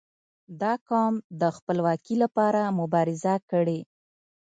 • دا قوم د خپلواکي لپاره مبارزه کړې.